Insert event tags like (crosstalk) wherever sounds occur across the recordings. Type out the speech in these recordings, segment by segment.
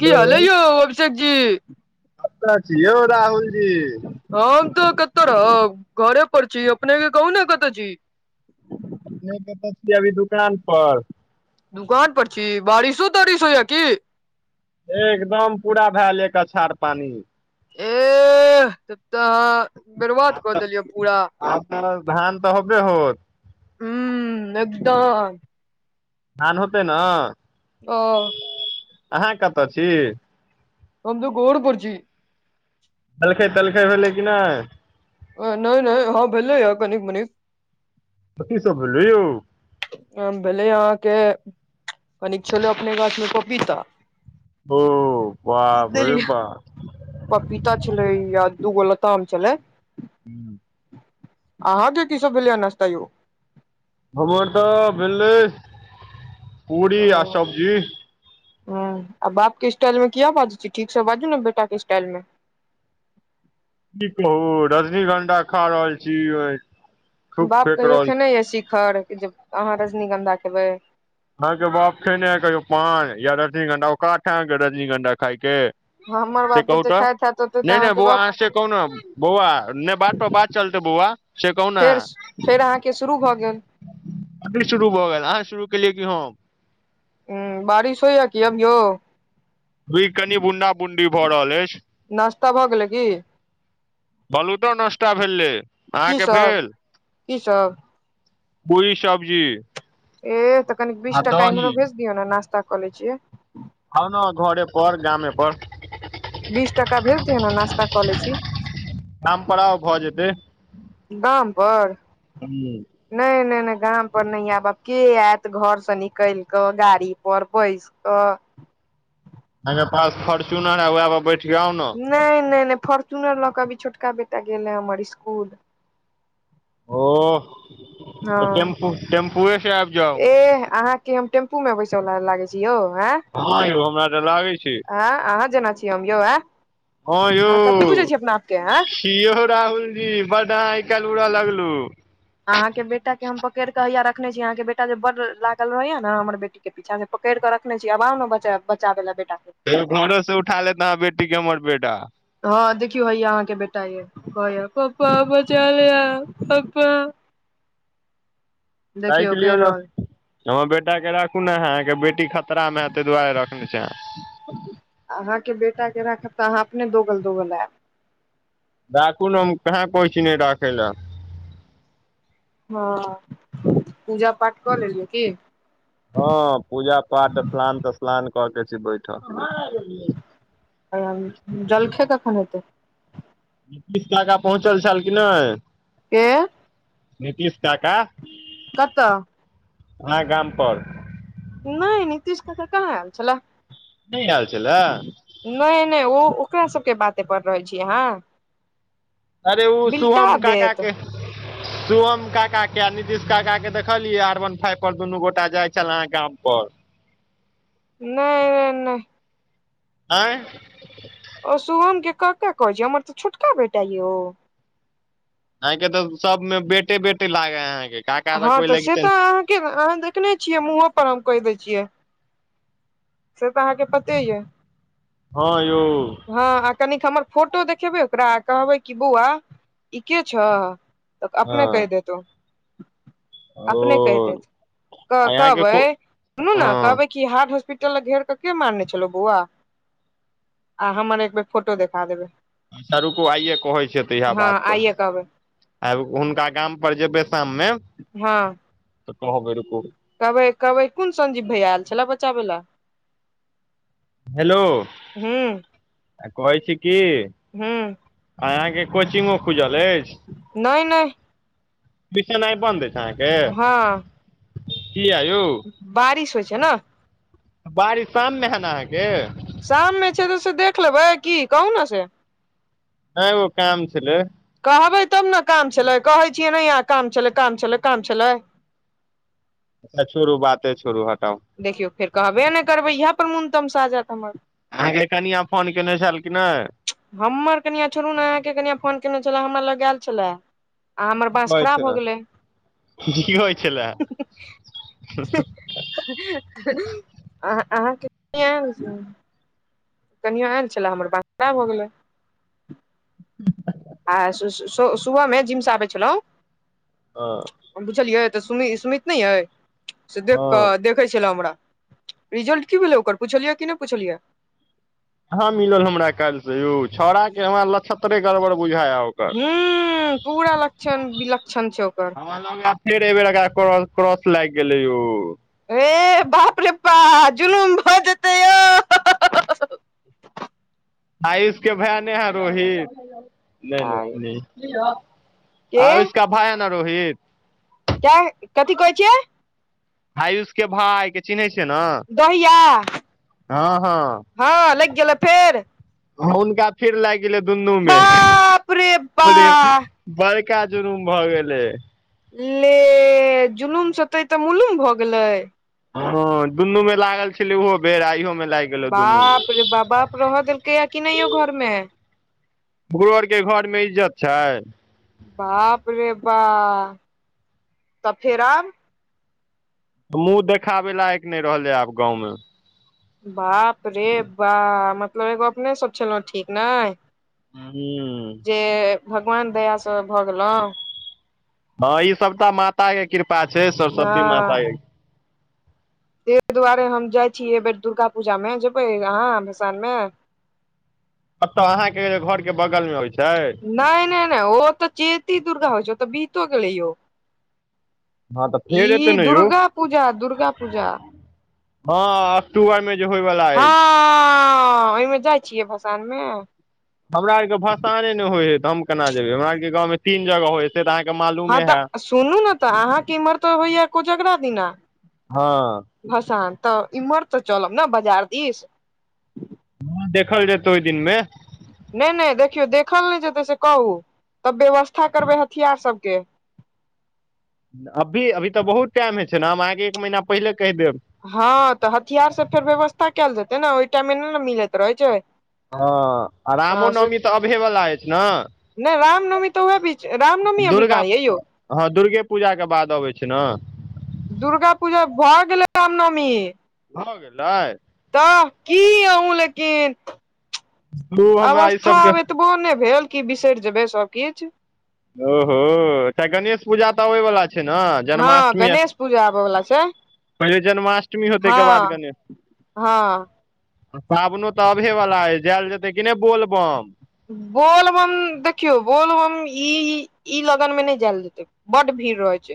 की हाल अय यौ? अभिषेक जी। कतऽ छी यौ राहुल जी हम तऽ कतऽ रहब घरे पर छी अपने के कहू ने कतऽ छी। नै कत छी अभी दुकान पर दुकान पर छी बारिशो तारिश होइयै की? एकदम पूरा भैल एक अछार पानी। एह तब तक अहां आब तऽ आब त धान तऽ होबे होत। हूं एकदम। धान होतै न। ओ। अहाँ कतऽ छी। हम त घर पर छी। जलखै तलखै भेलै कि नै? एं नै नै हँ भेलैयै कनिक मनिक। कथी सब भेलै यौ? भेलै अहाँके कनिक छलै अपने गाछ मे पपीता ओ बाप रे देलियै बा। पपीता छलै आ दूगो लताम छलै। हूं। अहाँके की सब भेलैयै नस्ता यौ? हमर तऽ भेलै पूरी आ सब्जी। हूं आ बाप के स्टाइल में किया बाजै छी ठीक से बाजू ने बेटा के स्टाइल में। की कहू रजनीगंधा खा रहल छी वै बाप कहियो खेने यै शिखर जे अहाँ रजनीगंधा खेबै। अहां के बाप खेने है कहियौ पान या रजनीगंधा औकात है आहां के रजनीगंधा खायके। हमर से बाप कहू जते त खाइत हैत ओते तऽ नै नै अहाँके बौआ बाप आहा से कहूँ ने बौआ नै बात पर बात चलतै बौआ। से कहू ने फेर श फेर अहाँके शुरू भऽ गेल। कखनी शुरू भऽ गेल अहाँ शुरू केलियै की हम। ऊं बारिश होइयै कि अभीयो? रुइककनि बुंदा बुंदी भऽ रहल ऐछ। नास्ता भऽ गेलै की? कहलौं त नश्ता भेलै, की अहाँके सब भेल? की सब? पूरी सब्जी। ए तऽ कनी बीस टका इमहरो भेज दिय ने नास्ता कऽ ले छियै। आउ न घरे पर गामे पर। बीस टका भेज दिय ने नाश्ता कऽ लै छी। गाम पर आउ भऽ जेतै गाम पर। हमलोग नै नै नै गाम पर नै ऐब आब के ऐत घर स निकैल कऽ गाड़ी पर बैस अ। अहांके पास फोर्चूनर है वैहे पर बैठके आउ ने। नै नै नै फोर्च्युनर लऽ के अभी छोटका बेटा गेलै हमर इस्कूल। ओह तऽ हँ टेम्पू टेम्पूए से आइब जाउ। एह अहाँ कि हम टेम्पू में बैस वाला लागे छी यौ आ। हँ यौ हमरा तऽ लागे छी। हे अहाँ जेना छी हम यौ, हँ ए अहाँ कथी बुझै यौ छी अपना आपके हे। की यौ राहुल जी बड अहांँ आइ काइल उड़ऽ लगलु। अहाँ के बेटा के हम पकेड़ क हइये रखने छी। अहाँ के बेटा जे बड लागल रहैये न हमर बेटी के पीछा से पकैड़ कऽ रखने छी। आब आऊ न बचेब, बचाबै ले बेटा के। कहियो घरों से उठा लेत आहाँ बेटी के हमर बेटा। हँ देखियौ हैया अहाँ के बेटा ये। कहैये पप्पा बचालिय पप्पा ताइक देखियौ लिय कहि न। रहल हमर बेटा के राखू न आहा, अहाँ के बेटी खतरा मे हे। तै दुआरे रखने छी अहाँ। अहाँके बेटा के राखब त अहाँ अपने दोगल - दोगल एब। राखू न हम कहां कहै छी नै राखै ले। हँ, पूजा पाठ कऽ लेलियै की? हँ पूजा पाठ स्लान - तस्लान क के छी बैठल। तहन जलखे कखन हेतै? पिछला साल पहुँचल छेल कि नै? के नीतीश काका कतऽ आहा गाम पर। नय नीतीश काका कहां एल छैले। नै एल छेले। नै - नै उ ओकरा सबके बाते पर रहै छी अहाँ। अरे उ बिलटा शुभम काका देत के सुभम काका के आ नितीश काका के देखलियै, आर वन फाइव पर दुनू गोटा जाय छल आहा गाम पर। न आँय। ओ सुोभम के काका कहै छी हमर तऽ छोटका बेटा ये ओ। आहाँ के तऽ सब में बेटे- बेटे लागे हे अहा के। हँ तऽ से तऽ अहाँके अहाँ देखने छियै, मुहो पर हम कैह दै छियै। से तऽ अहाँके पते यऽ हँ यौ हँ आ कनिक हमर फोटो देखेबै ओकरा, आ कहबै कि बौआ ई के छ। तऽ अपने कैह हँ देत ओ। अपने कैह ओ देत क यहाँके कहबै को सुनू न हँ कहबै कि हार्ट हॉस्पिट घेर क के मारने छलो बौआ, आ हमर एक बेर फोटो देखा देबै। अच्छा रुकू आइये कहै छीये तऽ इहे हँ बात पर। आइये कहबै आ हुनका गाम पर जेबै शाममे। हँ। त कहबै रुकु। कहबै कबै कुन संजीव भैया एल छलै बचाबे ले। हेलो हूँ कहै छी की हू। आहाँके कोचिंगो खुजल ऐछ? नय - नय। पीसेनैय बन्द ऐछ अहाँके। हँ कीये यौ? बारिश होइ छै न। बारिश शाम मे हे न अहाँके? शाममे छै तऽ से देख लेबै, की कहू न से? न ओने ऐं ओ काम छलै ‌। कहबै तब न काम छलै कहै छियै नहिये आ काम छलै -काम छलै -काम छलै अच्छा छोड़ू बाते छोड़ू हटाओ देखियौ फेर कहबे नै करबै इहे पर मून तमसा जेत हमर अहाँके कनिआ फोन केने छलखिन हे। हमर कनिआ छोड़ू न अहाँके कनिआ फोन केने छले हमर लग एल छलए। आ हमर बाँस कहै खड़ा छै ने भगेलै। की होइ छलए अहाँ-अहाँ कै हुइछिये कनिआ एल छले हमर बात (unintelligible) भ गेलै (unintelligible) आ सु-सु-सु-सुबहमे जिम स आबै छलंओ हं बुझलियै तऽ सुमि सुमित नयि अई से देख कऽ हँ देख देखेछलै हमरा, रिजल्ट की भेले ओकर पुछलियै क नयि पुछलियै? कहाँ मिलल हमरा कैल स यौ छौड़ा के हमरा लक्षत्रे गड़बड़ बुझेयेउ हम्म पूरा लक्षण विलक्षण छै ओकर। कहां दना फेर एबेर एकरा क्रॉस-क्रॉस लागेले यौ। ए बाप रे पा जुलुम भजेतै आयुष के भै ने है रोहित, नयि नयि (unintelligible) आयुष के भैय है न रोहित कै, कथी कहै छियै? आयुषके भायि चिन्है छियै न? दहिया, हँ लाइग गेलो फेर? हुनका फेर लैग गेलै दुनू मे बाप रे परे, बा बड़का जुलुम भऽ गेलै। ले जुलुम सतेै तऽ मुलुम भऽ गेलै। हूं दुनू में लागल छलै ओहो बेर इयहो में लाइ बाप रे, बा- बाप रह देलकै यै कि नयि यो घरमे? भुर के घर मे इज्जत छयि। बाप रे बा, तऽ फेर आब? मुँह देखाबे लायक नयि रहलै आब गाँवमे। बाप रे बा, मतलब एगो अपने सब छलुॅं ठीक नयि। हम्म से भगवान दया स भ गेलुओं बाबा जी सबटा माता के कृपा छै सरस्वती माता के। तयि दुआरे हम जाइ छि ऐ बेेर दुर्गा पूजा में जेबै अहाँ भसान मे? कतऽ अहाँके घरके बगलमे होइ छै। नयि -नयि -नयि ओ तऽ चैती दुर्गा होइ छै ओ तऽ बीतो गेलै ओ। हँ तऽ फेर एतै ई ने यौ दुर्गा पूजा -दुर्गा पूजा- - हँ अक्टूबर मे जे होयवला अछि। हँ ओहिमे जाइ छियै भसोन मे हमरा आर के भसाने नहि होइ हय तऽ हम केना जेबै हमरा आर के गाँवं तीन जगह होईए। फेर त अहा के मालु - - हँ त सुनू न त, अहाँके इम्हर त होइया कोजगरा दिना हँ। भसान, त इम्हर त चलब नेबजार दिस। देखल जेतौ ओइ दिन मे। नै-नै देखियौ देखल नै जेतै से कहू, तब व्यवस्था करबै हथियार सबके। अभी अभी त बहुत टाइम हइ छै ने हम अहाँके एक महीना पहिले कहि देब। हँ त हथियार सब फेर व्यवस्था कैल जेतै ने ओइ टाइममे नै न मिलैत रहै छै। हँ आ रामो नौमी त अबहे बला अछि न? नै राम नौमी त वैह बीच, रामनौमी अभी दुर्गा कहाँ अइ यौ? हँ दुर्गे पूजाके बाद अबै छै न। दुर्गा पूजा भ गेलै रामनवमी। भ गेलै? त की अहुं लेकिन, तू हमरा ई अवस्था सबके आब एत बो नै भेल कि बिसरि जेबै सब किछ। ओहो एकटा गणेश पूजा त अबै बला छै न? हँ गणेश पूजा आब बला छै। पहिले जन्माष्टमी होतै तै के बाद हँ गनेश (inaudible) हँ सावनो त आबहे बला अइ जाएल जेतै कि नै बोलबम? बोलबम देखियौ, बोलबम ई-ई-ई लगनमे नै जाएल जेतै। बडु भीड़ रहै छै।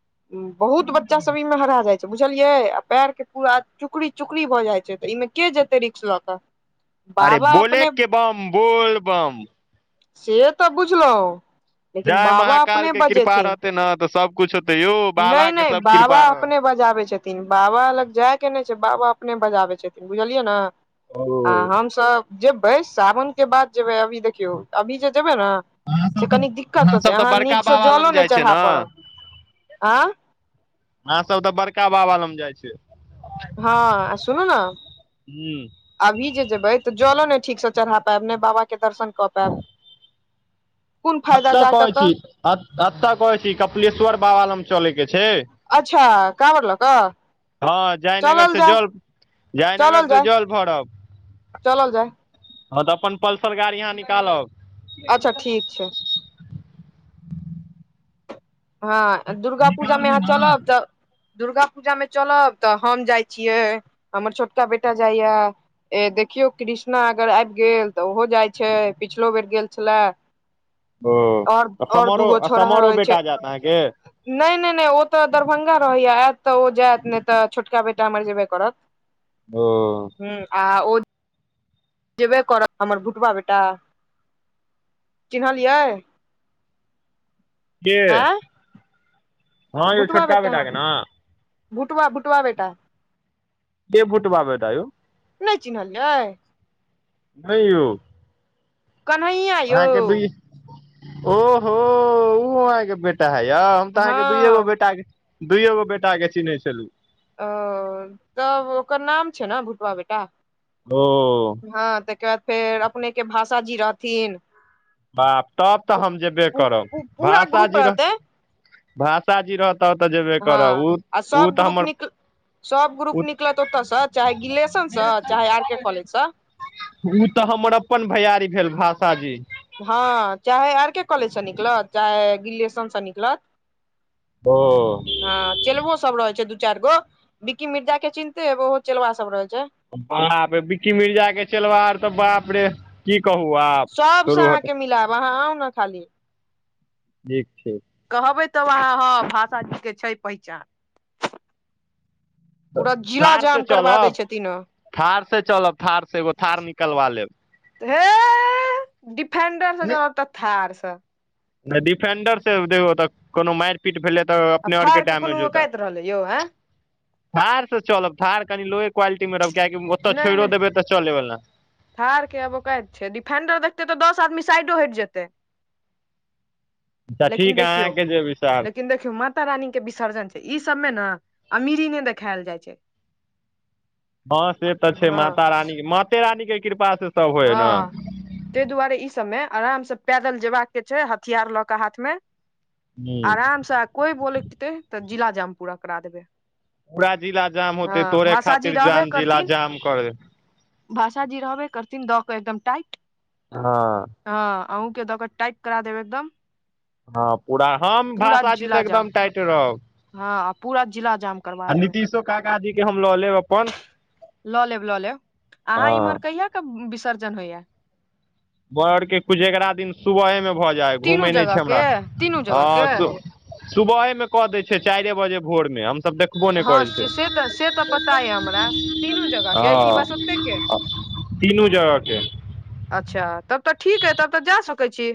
(inaudible) बहुत बच्चा सब ई मे हरा जाइ बुझलियै आ पैर के पूरा चुकड़ी चुकड़ी भ जाइ छै त ऐ मे के जेतै रिक्स ल क? आरे बोले के बम बोल बम। से त बुझलौं। जय महाकाल के कृपा रहतै न त सबकुछ होते यौ, बाबा नहि के नहि सब बाबा कृपा रहत। अपने बजाबै छथिन। बाबा लग जाइ के नै छै बाबा अपने बजाबै छथिन बुझलियै न? आ ओ हमसब जेबै सावनके बाद जेबै। अभी देखियौ अभी जे जेबै न (inaudible) से कनी दिक्कत होतै। सब तऽ अहाँ बड़का नीकसँ बाबा जलो लग नै जाइ छै ने चढ़ा पड़ब अहाँ (inaudible) आँं? अहाँ सब त बड़का बाबा लंग जाइ छी। हँ आ सुुनु न हूँ अभी जे जेबै त जलो नै ठीक सं चढ़ा पाएब, ने बाबा के दर्शन क पाएब? कुन फायदा जा क त? अत अत कहै छी कपिलेश्वर बाबा लम। चलै के छै। अच्छा काँवर लऽ कऽ (inaudible) हँ, जयनगर चलल से जाय जल (inaudible) जयनगर चलल से जाय जल भरब। चलल जाइ। हँ त अपन पल्सर गाड़ी अहाँ निकालब। अच्छा ठीक छै। हँ, दुर्गा पूजामे अहाँ चलब त दुर्गा पूजामे चलब त हम जाइ छियै, हमर छोटका बेटा जाइया। ए देखियौ कृष्णा अगर आबि गेल त ओहो जाइ छै पिछलो बेर गेल छला। ओ (inaudible) आओर आओर समरो दूगो छोड़हा समरो रहै छै। (unintelligible) नै-नै-नै ओ त दरभंगा रहैया, आएत त ओ जाएत नै त छोटका बेटा हमर जेबे करत। (inaudible) ओ हूँ आ ओ जेबे करत हमर भुटबा बेटा चिन्हलियै। के आँय हँ यौ भुटबा छोटका बेेटाह बेटा के ने भुटबा भुटबा बेेटा। के भूटबा बेटा यौ। नहि चिन्हलियै। नहि यौ। कन्हैया यौ अहाँके दई ओहो उ अहाँके बेटा है यौ। हम तऽ अहाँके दुइए गो हँ बेटा क दुइए गो बेटाके चिन्है छलहुँ। ओ तब ओकर नाम छै ने भुटबा बेटा। ओ हँ तैके बाद फेर अपनेके भाषा जी रहथिन। बाप तब तऽ पू- हम जेबे पू- करब पू- पूरा भाषा ग्रुप जी रह रहतै भाषा जी रहत तब त जेबे हँ करब उ आ उ सब तऽ ग्रुप हमर निकल सब ग्रुप उ निकलत ओतय स चाहे गिलेशन सऽ चाहे आर के कॉलेज स। उ तऽ हमर अपन भैयारी भेल भाषाजी। हँ चाहे आर के कॉलेजसँ निकलत चाहे गिलेशन सँ निकलत। ओ। हँ चेलबो सब रहै छै दू चारि गो विक्की मिर्जा के चिन्हते हेब ओहो चेलबा सब रहै छै। बाप रे बिक्की मिर्जाके चेलबार सब बाप रे की कहू आब छोडु हटाउ आब अहाँ आउ ने खाली। ठीक छै। कहबै तब अहाँ हँ भाषाजी के छै पहिचान। पूरा जिला थार से जाम करबा दै चलब छथिन ओ। थार से चलब थार से एगो थार निकलबा लेब। हे ए डिफेंडरसँ चलब तऽ थारसँ। नै डिफेंडर से उ देखो तऽ कोनो मारि पीट भेलै तऽ आब अपने और के थार कोनो डेमेज होतऽ। औकाइत रहलै यौ एँ थारसँ चलब थार कनि लोए क्वालिटीमे रहब कियाकि ओतऽ नहि छोइड़ो नहि देबै तऽ चलेबला। थार के अब ओकैद छै डिफेंडर देखतै तऽ दस आदमी साइडो हैट जेतै। अच्छा लेकिन ठीक है देखियौ अहाँके जे विचार लेकिन देखियौ म माता रानी के विसर्जन छै ई सबमे ने अमीरी नै देखायल जाइ छै। हँ से तऽ छै हँ माता रानी माते रानी के कृपा से सब होइ है न हँ तैय दुआरे ई सबमे आराम सऽ पैदल जयबाक के छै हथियार लऽ कऽ हाथ मे। ह आरामसँ आ कोइ औबोलैकतै तऽ जिलाजाम पूरा करा देबै। पूरा जिला जाम हँ होतै तोरे भाषाजी खातिर जाम जिला जाम करै हौ भाषा जी रहबै करथिन दऽ कऽ एकदम टाइट। हँ। हँ अहुँके दऽक टाइट करा देब एकदम। हँ पूरा हम पूरा भाषा जी तऽ जिला जाम एकदम टाइटे रहब। हँ आ पूरा जिला जाम करबा आ देबै। नीतीशो काका जी के हम लऽ लेब अपन। लऽ लेब लऽ लेब अहाँ इम्हर हँ कहिया के विसर्जन होइया? बरके कुजगरा दिन सुबहेमे भऽ जाइ तीनू घुमै नै जगह छै के हमरा तीनू जगह के हँ सु सुबहे मे कऽ दै छै चाइरे बजे भोर मे हमसब देख हँ से से तऽ से तऽ पता यै हमरा तीनू जगह के कि बस हँ ओतै के? तीनू जगह के। अच्छा तब तऽ ठीक अइ तब तऽ जा सकै छी।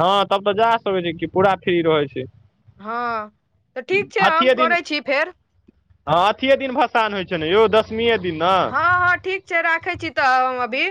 हँ तब तऽ जा सकै छी कि पूरा फ्री रहै छी। हँ तऽ ठीक छै हम अथिये दिन करै छी फेर। हँ अथीेये दिन भसान होइ छै ने यौ दशमीेये दिन न। हँ हँ ठीक छै राखै छी तऽ अभी।